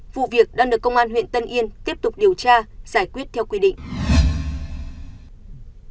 vụ việc đang được công an huyện tân yên tiếp tục điều tra giải quyết theo quy định